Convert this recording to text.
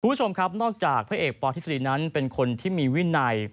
คุณผู้ชมครับนอกจากพระเอกปธิษฎีนั้นเป็นคนที่มีวินัย